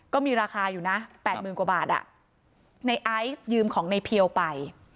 ก็มีราคาอยู่นะแปดหมื่นกว่าบาทอ่ะในไอซ์ยืมของในเพียวไป